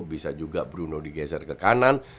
bisa juga bruno digeser ke kanan